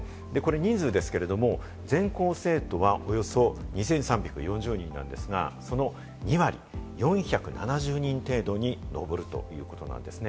人数ですけれども、全校生徒はおよそ２３４０人なんですが、その２割、４７０人程度に上るということなんですね。